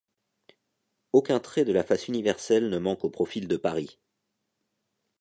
Aucun trait de la face universelle ne manque au profil de Paris.